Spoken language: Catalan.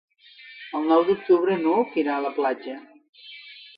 El nou d'octubre n'Hug irà a la platja.